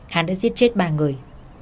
hắn đã giết chết ba người